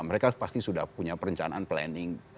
mereka pasti sudah punya perencanaan planning